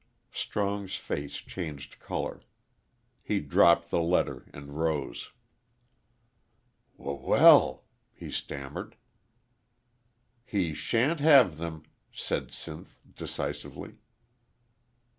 '" Strong's face changed color. He dropped the letter and rose. "W well," he stammered. "He sha'n't have 'em," said Sinth, decisively.